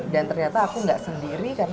dan ternyata aku gak sendiri